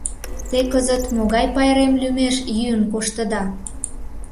Те кызыт могай пайрем лӱмеш йӱын коштыда?